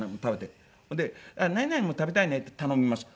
それで「何々も食べたいね」って頼みます。